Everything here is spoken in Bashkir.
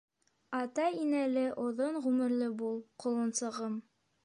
Ата-инәле, оҙон ғүмерле бул, ҡолонсағым!